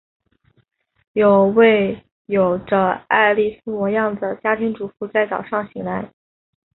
有位有着艾莉丝样貌的家庭主妇在早上醒来。